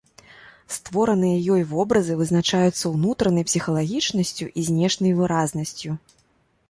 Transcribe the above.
Створаныя ёй вобразы вызначаюцца ўнутранай псіхалагічнасцю і знешняй выразнасцю.